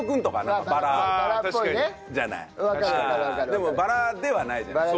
でもバラではないじゃない。